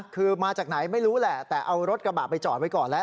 คือมาจากไหนไม่รู้แหละแต่เอารถกระบะไปจอดไว้ก่อนแล้ว